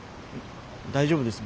大丈夫です